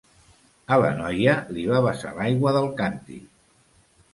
A la noia, li va vessar l'aigua del càntir.